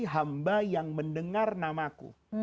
hamba yang mendengar namaku